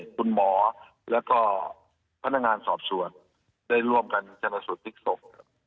ค่ะคุณหมอและก็พะนักงานสอบสวนร่วมกันชนสูตรนิกศพ